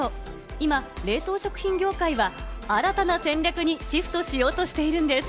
今、冷凍食品業界は新たな戦略にシフトしようとしているんです。